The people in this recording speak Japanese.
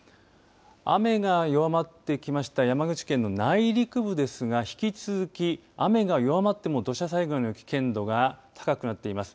雨が弱まってきました山口県の内陸部ですが引き続き雨が弱まっても土砂災害の危険度が高くなっています。